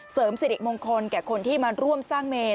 เสริมสิทธิตขาดมงคล